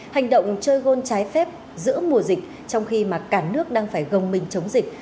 hành động chơi gôn trái phép giữa mùa dịch trong khi mà cả nước đang phải gồng mình chống dịch